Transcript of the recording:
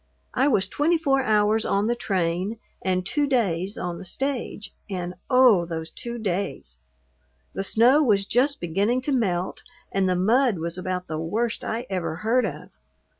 I was twenty four hours on the train and two days on the stage, and oh, those two days! The snow was just beginning to melt and the mud was about the worst I ever heard of.